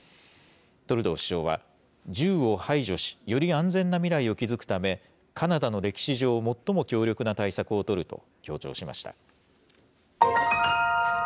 トルドー首相は、銃を排除し、より安全な未来を築くため、カナダの歴史上、最も強力な対策を取ると強調しました。